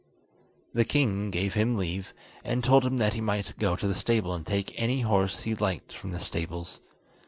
The king gave him leave, and told him that he might go to the stable and take any horse he liked from the stables.